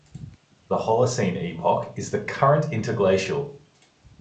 The Holocene epoch is the current interglacial.